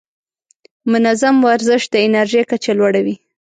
منظم ورزش د انرژۍ کچه لوړه وي.